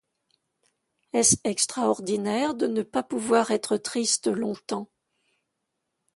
Est-ce extraordinaire, de ne pas pouvoir être triste longtemps!